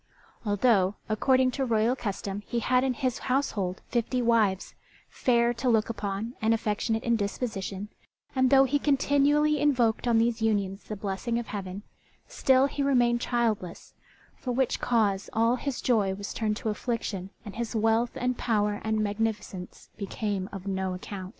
Although, according to royal custom, he had in his household fifty wives, fair to look upon and affectionate in disposition, and though he continually invoked on these unions the blessing of Heaven, still he remained childless; for which cause all his joy was turned to affliction, and his wealth and power and magnificence became as of no account.